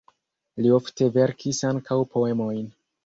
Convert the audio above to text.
Li ofte verkis ankaŭ poemojn.